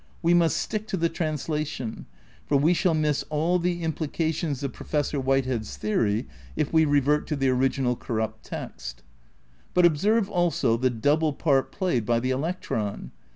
We must stick to the translation, for we shall naiss all the implications of Professor Whitehead's theory if we revert to the original corrupt text. But observe, also, the double part played by the electron.